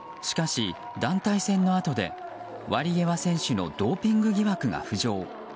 しかし、団体戦のあとでワリエワ選手のドーピング疑惑が浮上。